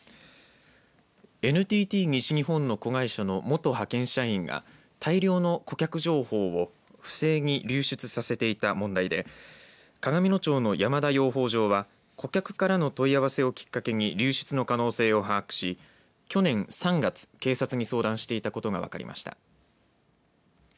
ＮＴＴ西日本の子会社の元派遣社員が大量の顧客情報を不正に流出させていた問題で鏡野町の山田養蜂場は顧客からの問い合わせをきっかけに流出の可能性を把握し去年３月、警察に相談していたことが分かりました。